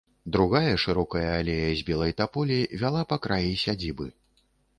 Другая шырокая алея з белай таполі вяла па краі сядзібы.